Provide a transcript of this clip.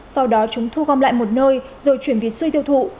sau đó chúng thu gom lại một nơi rồi chuyển vì xuôi tiêu thụ